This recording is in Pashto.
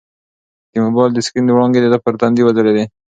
د موبایل د سکرین وړانګې د ده پر تندي وځلېدې.